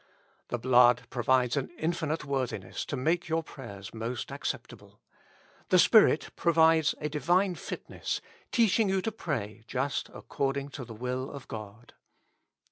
The Blood provides an infinite worthiness to make your prayers most acceptable : The Spirit provides a Divine fitness, teaching you to pray just according to the will of God.